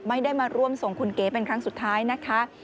ไม่ได้มาร่วมส่งคุณเก๋เป็นครั้งสุดท้ายนะคะ